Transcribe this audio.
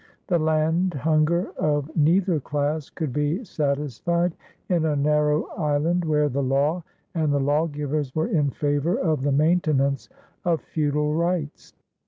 The land hunger of neither class could be satisfied in a narrow island where the law and the lawgivers were in favor of the maintenance of feudal rights.